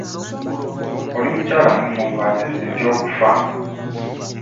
Oli mukyala mufumbo ate nze ntya okufa.